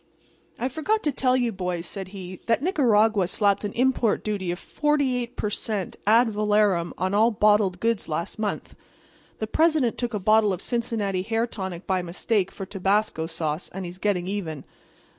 "'I forgot to tell you, boys,' says he, 'that Nicaragua slapped an import duty of 48 per cent. ad valorem on all bottled goods last month. The President took a bottle of Cincinnati hair tonic by mistake for tabasco sauce, and he's getting even.